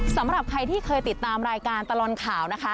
สำหรับใครที่เคยติดตามรายการตลอดข่าวนะคะ